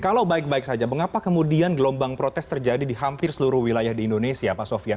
kalau baik baik saja mengapa kemudian gelombang protes terjadi di hampir seluruh wilayah di indonesia pak sofian